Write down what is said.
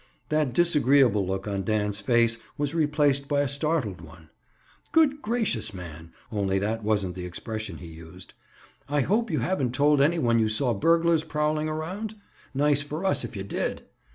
That disagreeable look on Dan's face was replaced by a startled one. "Good gracious, man"—only that wasn't the expression he used—"I hope you haven't told any one you saw burglars prowling around? Nice for us if you did!"